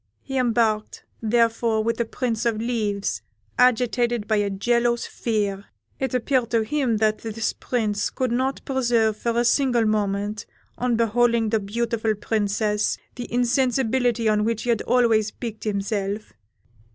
He embarked, therefore, with the Prince of Leaves, agitated by a jealous fear. It appeared to him that this Prince could not preserve for a single moment, on beholding the beautiful Princess, the insensibility on which he had always piqued himself.